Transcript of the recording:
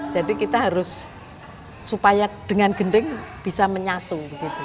jadi kita harus supaya dengan gending bisa menyatu